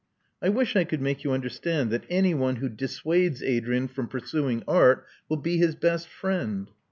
I wish I could make you understand that anyone who dissuades Adrian from pursuing art will be his best friend.